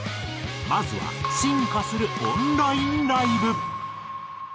まずは進化するオンラインライブ。